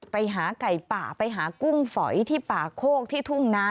ไปหาไก่ป่าไปหากุ้งฝอยที่ป่าโคกที่ทุ่งนา